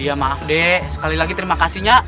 iya maaf dek sekali lagi terima kasihnya